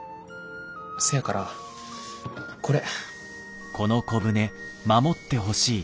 せやからこれ。